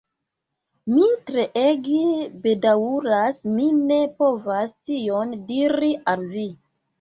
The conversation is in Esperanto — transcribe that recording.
Mi treege bedaŭras, mi ne povas tion diri al vi.